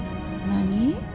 何？